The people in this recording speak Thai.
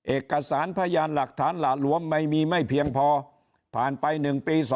เอกสารพยานหลักฐานหละหลวมไม่มีไม่เพียงพอผ่านไป๑ปี๒๕